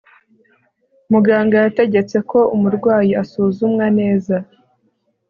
muganga yategetse ko umurwayi asuzumwa neza